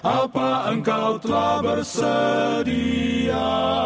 apa engkau telah bersedia